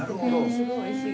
すごいおいしい。